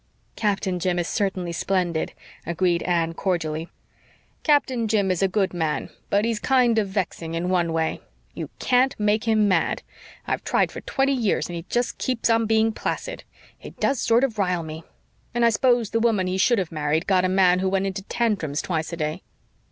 "Captain Jim is certainly splendid," agreed Anne cordially. "Captain Jim is a good man, but he's kind of vexing in one way. You CAN'T make him mad. I've tried for twenty years and he just keeps on being placid. It does sort of rile me. And I s'pose the woman he should have married got a man who went into tantrums twice a day."